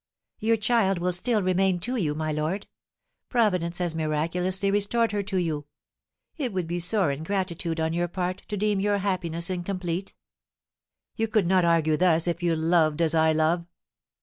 "Your child will still remain to you, my lord. Providence has miraculously restored her to you; it would be sore ingratitude on your part to deem your happiness incomplete." "You could not argue thus if you loved as I love."